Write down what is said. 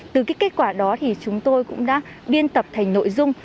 từ cái kết quả đó thì chúng tôi cũng đã biên tập thành nội dung